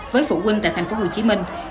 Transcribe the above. với phụ huynh tại thành phố hồ chí minh